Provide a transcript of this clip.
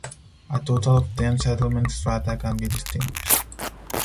A total of ten settlement strata can be distinguished.